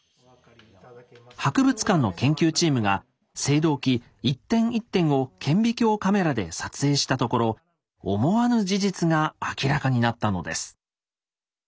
博物館の研究チームが青銅器一点一点を顕微鏡カメラで撮影したところ思わぬ事実が明らかになったのです。